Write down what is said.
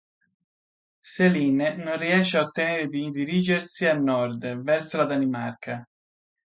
Céline non riesce a ottenere di dirigersi a nord, verso la Danimarca.